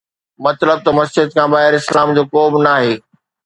مطلب ته مسجد کان ٻاهر اسلام جو ڪوبه ڪم ناهي